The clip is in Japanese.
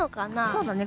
そうだね。